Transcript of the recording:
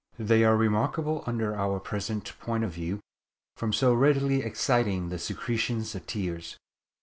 They are remarkable under our present point of view from so readily exciting the secretion of tears.